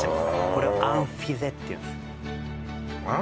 これアンフュゼっていうんですあっ？